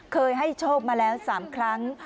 เคยให้โชว์มาแล้วสามครั้ง